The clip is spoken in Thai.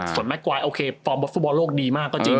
ส่วนแม่กวายโอเคฟอร์มฟุตบอลโลกดีมากก็จริง